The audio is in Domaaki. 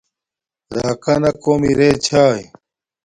راکانا کوم ارے چھاݵ